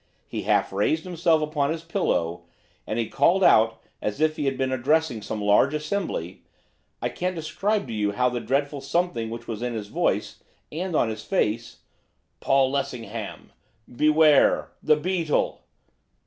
He half raised himself upon his pillow, and he called out, as if he had been addressing some large assembly I can't describe to you the dreadful something which was in his voice, and on his face, "Paul Lessingham! Beware! The Beetle!"